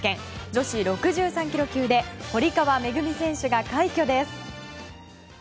女子６３ｋｇ級で堀川恵選手が快挙です。